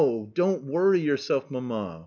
Don't worry yourself, mamma !